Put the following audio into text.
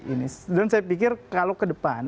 ini dan saya pikir kalau ke depan